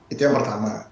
itu yang pertama